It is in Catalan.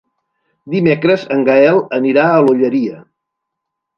Dimecres en Gaël anirà a l'Olleria.